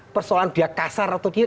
persoalan dia kasar atau tidak